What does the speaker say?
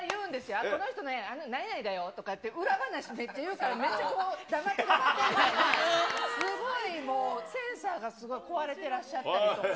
あっ、この人ね、何々だよって、裏話めっちゃ言うから、めっちゃ黙ってみたいな、すごいもう、センサーがすごい壊れてらっしゃったりとか。